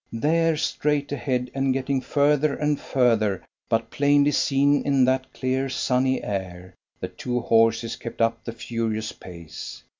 There straight ahead, and getting further and further, but plainly seen in that clear sunny air, the two horses kept up the furious pace.